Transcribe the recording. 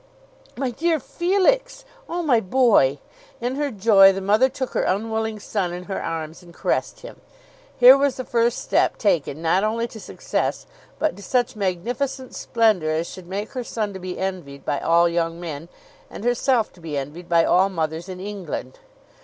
"My dear Felix. Oh, my boy!" In her joy the mother took her unwilling son in her arms and caressed him. Here was the first step taken not only to success, but to such magnificent splendour as should make her son to be envied by all young men, and herself to be envied by all mothers in England!